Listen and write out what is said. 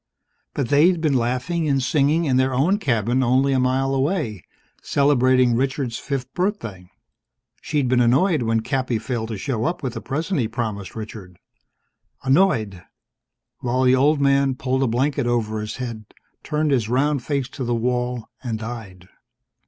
But they'd been laughing and singing in their own cabin only a mile away, celebrating Richard's fifth birthday. She'd been annoyed when Cappy failed to show up with the present he'd promised Richard. Annoyed while the old man pulled a blanket over his head, turned his round face to the wall, and died.